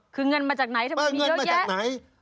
คือเงินมาจากไหนทำไมมีเยอะแยะไหน